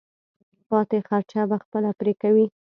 پاتې خرچه به خپله پرې کوې.